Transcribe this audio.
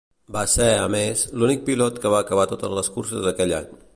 Va ser, a més, l'únic pilot que va acabar totes les curses aquell any.